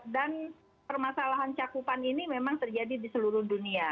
dan permasalahan cakupan ini memang terjadi di seluruh dunia